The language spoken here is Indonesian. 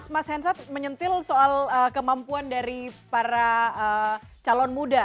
mas hensat menyentil soal kemampuan dari para calon muda